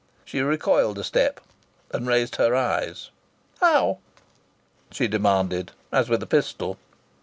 She recoiled a step and raised her eyes. "How?" she demanded, as with a pistol.